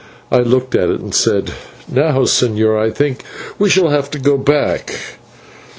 I looked at it, and said: "Now, señor, I think that we shall have to go back.